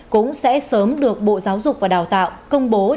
cũng sẽ sớm được bộ giáo dục và đào tạo công bố